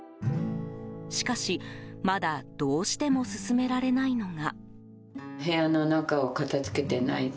しかし、まだどうしても進められないのが。